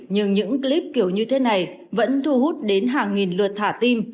nhưng những clip kiểu như thế này vẫn thu hút đến hàng nghìn lượt thả tim